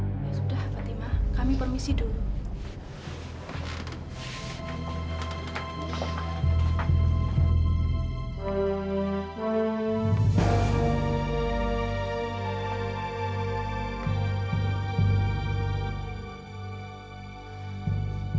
sudah fatimah kami permisi dulu